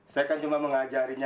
saya kan cuma mengajarinya